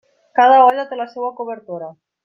Cada olla té la seua cobertora.